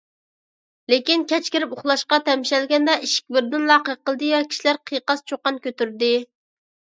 لېكىن، كەچ كىرىپ ئۇخلاشقا تەمشەلگەندە، ئىشىك بىردىنلا قېقىلدى ۋە كىشىلەر قىيقاس - چۇقان كۆتۈردى.